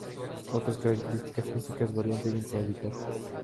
Otras características físicas varían según su hábitat.